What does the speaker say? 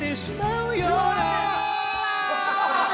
うわ。